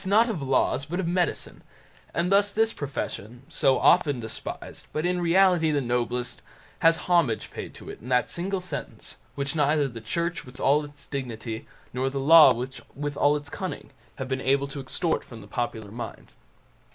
not of laws, but of medicine; and thus this profession, so often despised, but in reality the noblest, has homage paid to it in that single sentence, which neither the Church with all its dignity, nor the Law with all its cunning, have been able to extort from the popular mind.